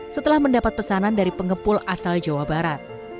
setelah mendapat pesanan dari pengepul asal jawa barat